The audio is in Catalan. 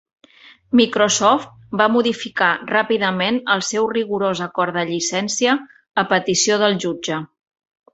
Microsoft va modificar ràpidament el seu rigorós acord de llicència a petició del jutge.